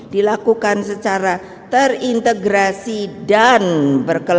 dilakukan secara terintegrasi dan berkembang